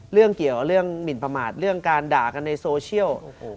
เรื่องเกี่ยวเรื่องหมินประมาทเรื่องการด่ากันในโซเชียล